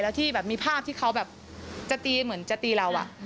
แล้วมีภาพที่เขาจะตีเหมือนจะตีเรา